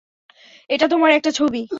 এটা তোমার একটা ছবি।